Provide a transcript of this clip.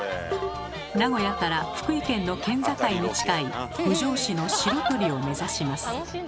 名古屋から福井県の県境に近い郡上市の白鳥を目指します。